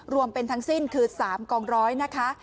รวมเป็นทั้งสิ้นคือ๓กองร้อยนะคะ